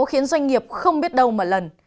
khiến doanh nghiệp không biết đâu mà lần